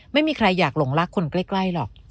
ไม่มีใครอยากหลงรักคนใกล้หรอก